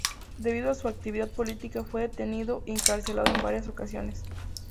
Debido a su actividad política fue detenido y encarcelado en varias ocasiones.